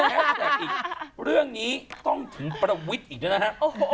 แฮชแท็กอีกเรื่องนี้ต้องถึงประวิทย์อีกด้วยนะครับ